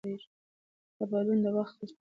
دا بدلون د وخت غوښتنه وه.